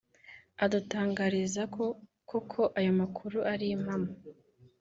adutangariza ko koko ayo makuru ari impamo